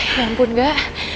ya ampun gak